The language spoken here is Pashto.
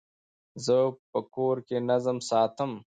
زه په کور کي نظم ساتم.